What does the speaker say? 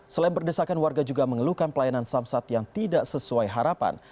selain berdesakan warga juga mengeluhkan pelayanan samsat yang tidak sesuai harapan